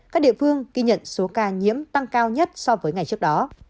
các địa phương ghi nhận số ca nhiễm tăng cao nhất so với ngày trước đó